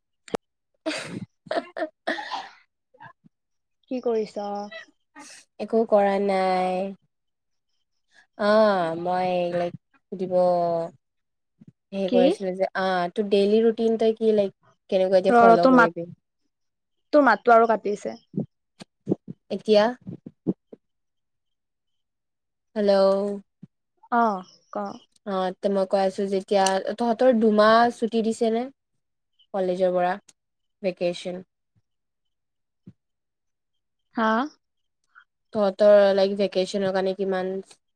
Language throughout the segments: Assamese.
[unintelligible] [unintelligible] কি কৰিছা? একো কৰা নাই। অ 'মই এইবিলাক সুধিব। হেই কি কৰিছিলো যে, অ তোৰ ডেইলি ৰুটিন তই কি লাগ ৰ ৰ তোৰ মাত, তোৰ মাতটো আৰু কাটিছে। এতিয়া। হেল্ল। অ ক। অ'তেনকা আছো যেতিয়া, তহঁতৰ দুমাহ ছুটি দিছে নে? কলেজৰ পৰা ভেকেচন। হা। তহঁতৰ লাইক ভেকেশচনৰ কাৰণে কিমান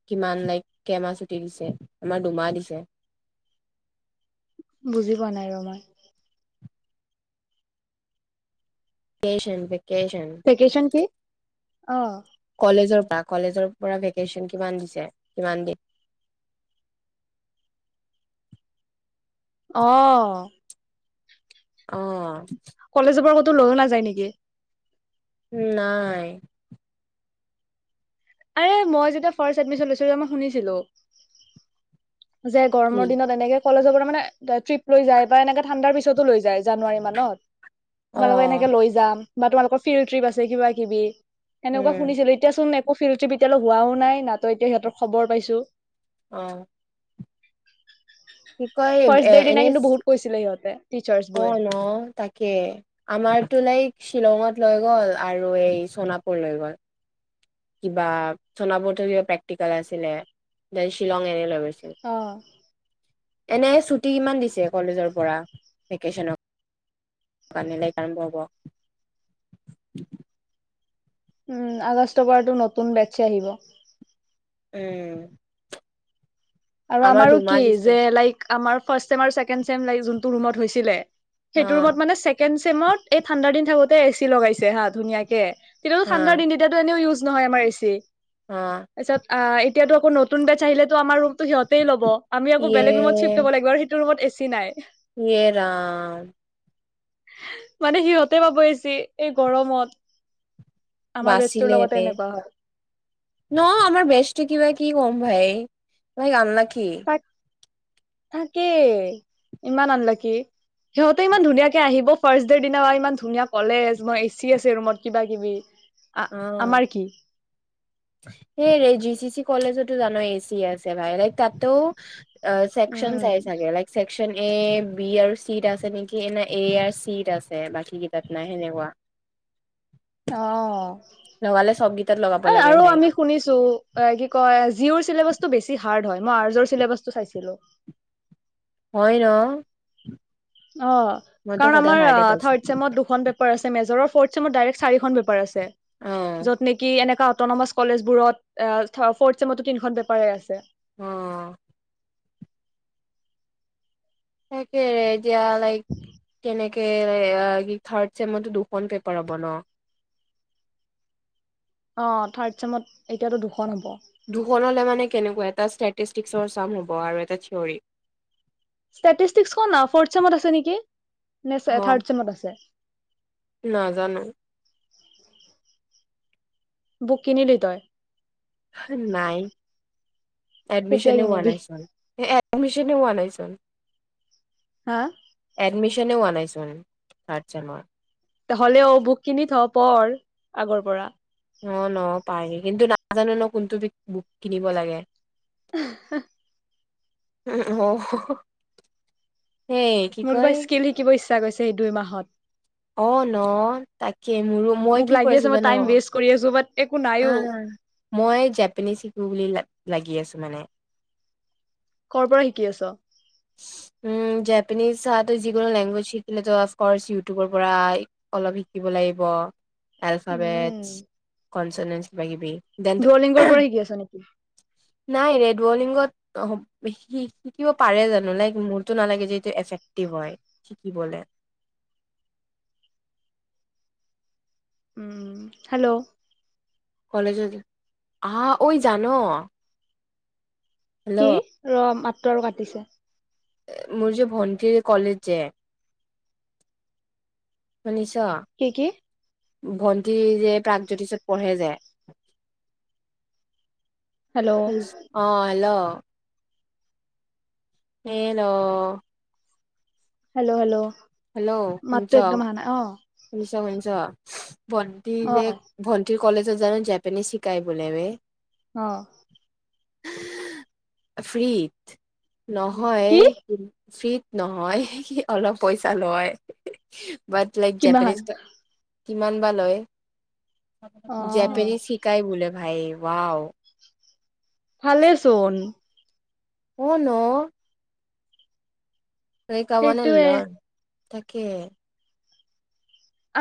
কিমান লাইক কেইমাহ ছুটি দিছে, আমাৰ দুমাহ দিছে। বুজি পোৱা নাই ৰ' মই। ভেকেচন ভেকেচন ভেকেচন কি অ কলেজৰ পৰা, কলেজৰ পৰা ভেকেশচন কিমান দিছে কিমান দিন অ অ কলেজৰ পা ক'তো লৈও নাযায় নিকি? নাই, আৰে মই যেতিয়া ফাৰ্ছ এডমিছন লৈছিলো, মই শুনিছিলো। যে, কি গৰমৰ দিনত এনেকে কলেজৰ পৰা মানে, ট্ৰিপ লৈ যায় বা এনেকে ঠাণ্ডাৰ পিছতো লৈ যায় জানুৱাৰী মানত। তোমালোকক অ', এনেকে লৈ যাম বা তোমালোকৰ ফিৰি ট্ৰিপ আছে কিবা কিবি হেনকা উম, শুনিছিলো এত এতিয়া চোন একো ফিৰি ট্টিপ এতিয়ালৈ হোৱাও নাই নাতো এতিয়া সিহতৰ খবৰ পাইছোঁ। অ কি কয় ফাৰ্ষ্ট এ ডেৰ দিনা এনে কিন্তু চি বহুত কৈছিলে সিহঁতে টিচাৰ্চ বোৰে অ' ন তাকে। আমাৰতো লাইক শ্বিলঙত লৈ গ'ল আৰু চোনাপুৰ লৈ গ'ল। কিবা চোনাপুৰ থিৰে প্ৰেক্টিকেল আছিলে, গৈ শ্বিলং এনেই নামিছো। অ। এনে ছুটি কিমান দিছে কলেজৰ পৰা ভেকেশ্যনত। জানিলে কাৰেণ্ট লাগে। উম, আগষ্টৰ পৰা এইটো নতুন বেচ্ছে আহিব। উম। আৰু আমাৰ আমাৰো দুমাহ কি দিছে যে লাইক। আমাৰ ফাষ্ট চেম আৰু ছেকেণ্ড চেম লাইট জোনটো ৰুমত হৈছিলে, সেইটো অ', ৰুমত মানে চেক। টেনচেনত এই ঠাণ্ডা দিনটো এতিয়া এচি লগাইছে হা ধুনীয়াকে। কেতিয়াবা হা ঠাণ্ডাৰ দিনত। এতিয়াতো ইউজ নহয়, আমাৰ এচি। অ। পিছত আ, এতিয়াতো নতুন বেচ আহিলে আমাৰ ৰুমটো সিহতেই ল'ব। আমি আকৌ ইয়ে বেলেগ ৰুমত চিট পাব লাগিব। তোৰ ৰুমত এচি নাই। ই এ ৰাম। মানে সিহঁতে পাব এচি এই গৰমত। আমাৰ বেষ্টৰ লগতে এনেকুৱা হ'ল। নহয়, আমাৰ বেষ্টতো কিবা- কিবি কম হয়। ই আনলাকি। থাক, তাকেই ইমান আনলাকি। সিহঁতে ইমান ধুনীয়াকে আহিব ফাৰ্ষ্ট -ডে দিনা ইমান ধুনীয়া কলেজ বা এচি আছে ৰুমত কিবা- কিবি। অ। আমাৰ কি হেইৰে জি চি চি কলেজতো জানো এ চি আছে ভাই লাইক তাতোও। চেকশন উম চাই চাগে লাই। চেকশচন এ বি আৰু চিট আছে নেকি ন এ আৰ চিট আছে। বাকীকেইটাত নাই সেনেকুৱা। অ। লগালে চবগীতাত লগাব লাগে আৰু ভাই। আমি শুনিছো এ কি কয় জিৰ চিলেবাচটো বেছি হাৰ্ড হয়, মই আৰ চিলেবাচটো চাইছিলোঁ। হয় ন। অ, মইতো কাৰণ সদায় আমাৰ হাৰ্ডে পাইছো থাৰ্ড চেমত দুখন পে। পেপাৰ মেজৰ ফ্ৰড চেমৰ দাৰেক চাৰিখন পেপাৰ আছে। অ', য'ত নেকি এনেকা অতনমচ। কলেজবোৰত ফৰ্থ চছেমতো তিনিখন পেপাৰে আছে। অ। তাকে এতিয়া লাইক কেনেকে। ত কি থাৰ্ড চেমতো দুখন পেপাৰ হ'ব ন। অ থাৰ্ড চমত এতিয়াতো দুখন হ'ব। দুখনলৈ মানে কেনেকুৱা এটা ষ্টেটিষ্টিকৰ চাম হ'ব আৰু এটা থিয়ৰী। ষ্টেটিষ্টিকখন ফৰ্থ চেমত আছে নেকি নে হ থাৰড চেমত আছে। নাজানো। বুক কিনিলি তই। নাই, কেতিয়া এডমিশনে হোৱা কিনিবি নাই চোন এ। এডমিশনে হোৱা নাই চোন। হা। এডমিশনেও হোৱা নাইচোন থাৰ্ড চেমত,। হ'লেও বুক কিনি থ পঢ় আগৰ পৰা। অ ন পায়ি কিন্তু নাজানো ন কোনটো কি বুক কিনিব লাগে। হেহ হ। উ, সেই। কি মোক কিবা কয় স্কিল শিকিব ইচ্ছা কৰিছে সেই দুই মাহত। অ ন তাকে মোৰো। মই মোক কি লাগি আছে কৰিছোঁ মই জান। টাইম ৱেষ্ট কৰি আছোঁ বাত। অহ, মই জাপানিজ শিকো বুলি লা লাগি আছো মানে। কৰ পৰা শিকি আছ। উম জেপানিজ আৰু যিকোনো লেংগুৱেজ শিকিলে অফকোৰ্চ ইউটিউবৰ পৰা। অলপ শিকিব লাগিব। এলফাবেট উম কনচেনেচ কিবাকিবি দেট। দুৱলিংগৰ পৰা শিকি আছ নেকি নাই ৰেড বলিঙত শিকিব পাৰে জানো। নোলাইক মোৰতটো নালাগে যে এইটো এফেক্টিভ হয় শিকিবলে। উম হেল্ল'। কলেজত, আহ ঐ জান,। কি, হেল্ল' ৰ মাতটো আৰু কাটিছে। মোৰ যে ভণ্টিৰ কলেজ যে শুনিচ। কি কি? ভন্টি যে প্ৰাকজ্যোতিষত পঢ়ে যে। হেল্ল' শুনিছোঁ, অ hello. Hello. Hello hello hello মাতো শুনিছ একদমান অহা নাই অ শুনিছ শুনিছ, ভণ্টিৰ যে অ ভ। ভন্টি কলেজত জানো জেপানিজ শিকাই বোলে বে। অ। ফ্ৰ্ৰীত, নহয় কি? ফিট নহয়, অলপ পইচা লয়। বাট লাইক কিমান জেপানিজ এটা কিমান বা লয়। অ জেপেনিজ শিকাই বোলে ভাই ৱাও। ভালে চোন। অ ন। সেই শিকা মানে সেইটোয়ে লৰ্ন তাকে।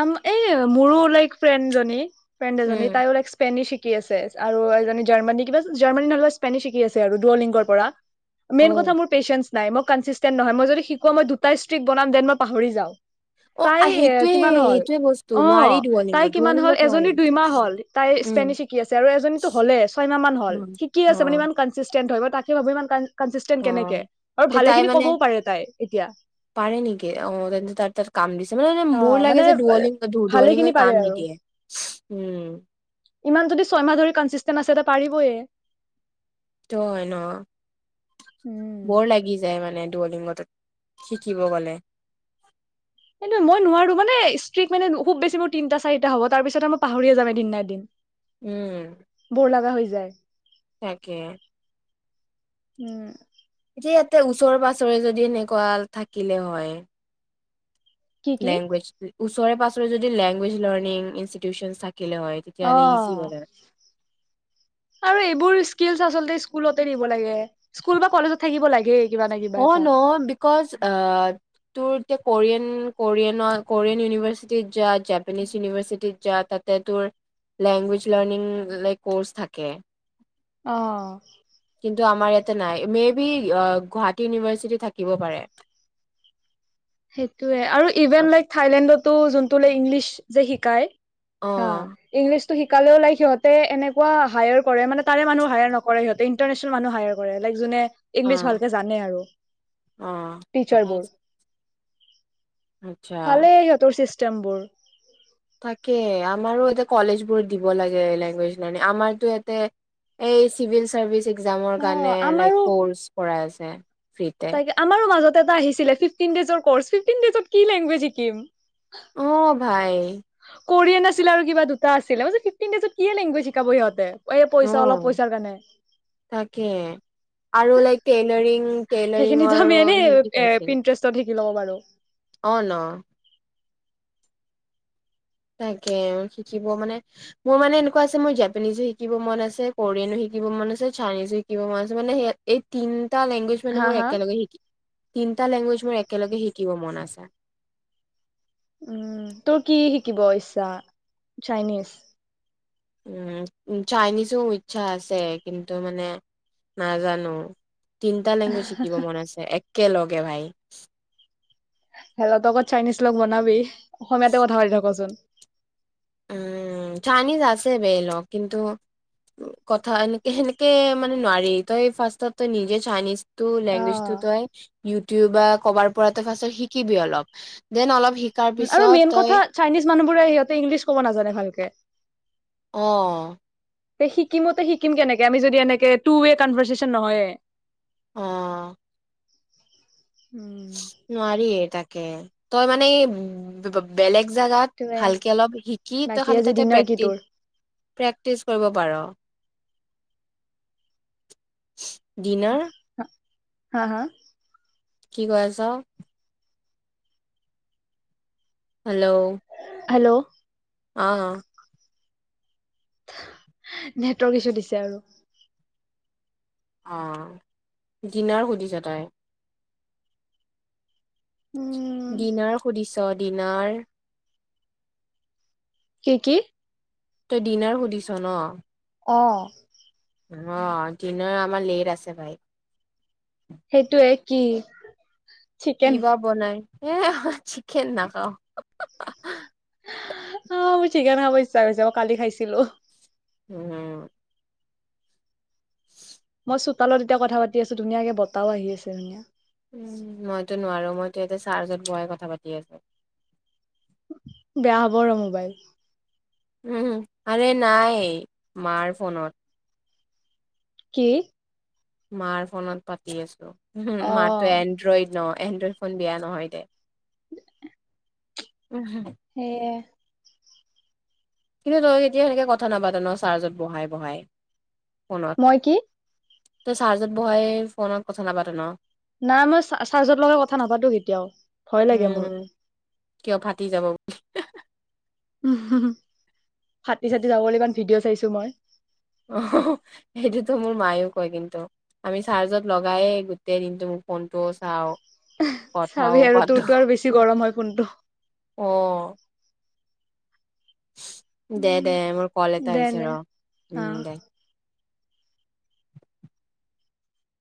আম এ মোৰো লাইক ফ্ৰেণ্ডজনী ফ্ৰেণ্ড এজনী উম তাইও লাইক। স্পেনিছ শিকি আছে আৰু এজনী জাৰ্মানী কিবা জাৰ্মানী নহ'লে স্পেনিছ শিকি আছে আৰু দুওলিংগৰ পৰা। অ মেইন কথা মোৰ পেচেন্ঞ্চ নাই মই কনচিষ্টেণ্ট নহয় মই যদি শিকোও নহ মই দুটাই ষ্ট্ৰিক বনাম দেন মই পাহৰি যাওঁ। অ আ সেইটোয়ে। মান হ'ল সেইটোয়ে বস্তু অ নোৱাৰি তাই দুৱলিংগত কিমান হ'ল দুৱলিংগত নোৱাৰি এজনী দুইমাহ হ'ল তাই উম স্পেনীছ শিক। শিকি আছে আৰু এজনীটো হ'লেই ছয় মাহ মান হল উম শিকি অ আছে মানে ইমান। কনচিষ্টেণ্ট হয় তাকে ভাবো ইমান কন কনচিষ্টেণ্ট অ কেনেকে আৰু তে তাই ভালেখিনি মানে ক'বও পাৰে তাই এতিয়া। পাৰে নেকি অ তেন্তে তাইৰ তাত। কাম দিছে মানে মানে মোৰ লাগে যে দুৱলিং ভালেখিনি দুৱলিংগই পাৰে কাম আৰু নিদিয়ে উম। ইমান যদি ছয়মাহ ধৰি কনচিষ্টেণ্ট আছে এতিয়া পাৰিবয়ে। সেইটোও হয় ন। উম। বৰ লাগি যায় মানে দুৱলিংগটোত শিকিব গ'লে। এইটো মই নোৱাৰো মানে ষ্ট্ৰিক্ মানে খুব বেছি মোৰ তিনটা চাৰটা হ'ব তাৰপিছতে মই পাহৰীয়ে যাম এদিন না এদিন। [unintelligible] উম বৰ লগা হৈ যায় তাকে উম এতিয়া ইয়াতে ওচৰে পাজৰে যদি এনেকুৱা থাকিলে হয়। কি কি? লেংগুৱেজ ওচৰে পাজৰে যদি লেংগুৱেজ লাৰ্নিং ইনষ্টিটিউচন থাকিলে হয়। অ তেতিয়াহ'লে ইজি হ'ল হয়। আৰু এইবোৰ স্কিলচ আচলতে স্কুলতে দিব লাগে স্কুল বা কলেজত থাকিব লাগেই। কিবা না কিবা অ এটা। ন বিক'জ আ তোৰ এতিয়া কোৰিয়ান কোৰিয়নৰ কোৰিয়ান ইউনিভাৰ্চিটিত যা জাপানীজ ইউনিভাৰ্চিটিত যা তাত তাতে তোৰ লেংগুৱেজ লাৰ্ণিং লাইক ক'ৰ্চ থাকে। অ কিন্তু আমাৰ ইয়াতে নাই মে ভি গুৱাহাটী ইউনিভাৰ্চিটি থাকিব পাৰে। সেইটোৱে আৰু ইভেন লাইক থাইলেণ্ডটো যোনটো লাইক ইংলিছ যে শিকায় অ ইংলিছটো শিকালেও লাইক সিহঁতে এনেকুৱা হায়াৰ কৰে মানে তাৰে মানুহ হায়াৰ নকৰে সিহঁত ইণ্টাৰনেচনেল মানুহ হায়াৰ কৰে লাইক যোনে অ ইংলিছ ভালকে জানে আৰু অ টিচাৰবোৰ উম ভালেই সিহঁতৰ চিষ্টেম বোৰ তাকে আমাৰো এতিয়া কলেজবোৰত দিব লাগে লেংগুৱেজ লাৰ্নিং আমাৰটো এইয়াতে এই চিভিল চাৰ্ভিচ একজামৰ অ কাৰণে লাইক আমাৰো কৰ্চ কৰাই আছে ফ্ৰীতে। তাকে আমাৰো মাজত এটা আহিছিলে ফিফটিন ডেইছৰ কৰ্চ ফিফটিন ডেইজত কি লেংগুৱেজ শিকিম। অ ভাই কৰিয়ান আছিলে আৰু কিবা দুটা আছিলে মই ভাবিছোঁ ফিফটিন ডেইজত কি লেংগুৱেজ শিকাব সিহঁতে এই পইচা অলপ অ' পইচাৰ কাৰণে তাকে আৰু লাইক টেইলাৰিং টেইলাৰিংৰ আৰু সি কি পাইছে। হেপী ইণ্টাৰেষ্টত শিকি ল'ব পাৰো। অ ন তাকে অ শিকিব মানে মোৰ মানে এনেকুৱা হৈছে মই জাপানীজো শিকিব মন আছে কোৰিয়ানো শিকিব মন আছে চাইনিজো শিকিব মন আছে মানে সেয়া এই তিনটা লেংগুৱেজ মানে হা মোৰ হা একেলগে শিকি তিনটা লেংগুৱেজ মোৰ একেলগে শিকিব মন আছে উম তোৰ কি শিকিব ইচ্ছা চাইনিজ উম চাইনিজো ইচ্ছা আছে কিন্তু মানে নাজানো তিনটা লেংগুৱেজ শিকিব মন আছে একেলগে ভাই হেল্লতকত চাইনিজ লগ বনাবি অসমীয়াতে কথা পাতি থাকচোন উম চাইনিজ আছে বে লগ কিন্তু কথা এনেকে সেনেকে মানে নোৱাৰি তই ফাৰ্ষ্ট তই নিজে চাইনিজ টো অ লেংগুৱেজ টো তই ইউটিউব বা কৰবাৰ পৰা তই ফাৰ্ষ্ট শিকিবি অলপ দেন অলপ শি আৰু মেইন কথা চাইনিজ মানুহবোৰে সিহঁতে ইংলিছ ক'ব নাজানে ভালকে অ শিকিমতে শিকিম কেনেকে আমি যদি এনেকে টু ৱে কনভাৰ্চেচন নহয়ে অ উম নোৱাৰিয়ে তাকে, তই মানে বেলেগ জাগাত টোৱে ভালকে অলপ শিকি তই বাকী খালি আজি তাতে ডিনাৰ কি প্ৰেক্টিচ তোৰ? প্ৰেক্টিচ কৰিব পাৰ, ডিনাৰ হা' হা' কি কৈ আছ? হেল্ল' হেল্ল' অ',। নেটৱৰ্ক ইছু দিছে আৰু। অ', ডিনাৰ সুধিছে তাই। উম। ডিনাৰ সুধিছ ডিনাৰ কি কি? তই ডিনাৰ সুধিছ ন'? অ',। অ', ডিনাৰ আমাৰ লেট আছে ভাই। সেইটোয়ে কি? কি চিকেন বা বনাই, চিকেন নখাওঁ। অ', মোৰ চিকেন খাব ইচ্ছা গৈছে, অ' মই কালি খাইছিলো। উম [inaudible] মই চোতালত এতিয়া কথা পাতি আছো, ধুনীয়াকে বতাহও আহি আছে ধুনীয়া। মইতো নোৱাৰো, মইতো এতে চাৰ্জত বোৱাই কথা পাতি আছোঁ। বেয়া হ'ব ৰ' মোবাইল। উম', আৰে নাই মাৰ ফোনত। কি? মাৰ ফোনত পাতি আছো, মাতো অ' এনড্ৰইড ন' এনড্ৰইড ফোন বেয়া নহয় দে। উম', হুম'। সেয়ে। কিন্তু তই এতিয়া সেনেকে কথা নাপাত ন' চাৰ্জত বহাই বহাই ফোনত। মই কি তই চাৰ্জত বহাই ফোনত কথা নাপাত ন'? নাই মই চা'- চাৰ্জত লগাই কথা নাপাতো কেতিয়াওঁ, ভয় লাগে মোৰ। উম কিয় ফাটি যাব বুলি! উ' ফাটি চাটি যাবলৈ ইমান ভিডিঅ' চাইছো মই। অ', সেইটোতো মোৰ মায়ও কয় কিন্তু। আমি চাৰ্জত লগাই গোটেই দিনটো মোৰ ফোনটো চাওঁ। চাবি আৰু তোৰতো আৰু বেছি গৰম হয় ফোনটো। অহ',। দে- দে মোৰ কল এটা দে আহিছে দে ৰ' অ'। উম দে।